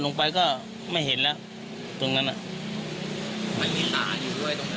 ลงไปก็ไม่เห็นแล้วตรงนั้นอ่ะมันมีป่าอยู่ด้วยตรงนั้น